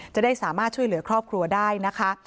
จะได้สามารถช่วยเหลือครอบครัวได้นะคะ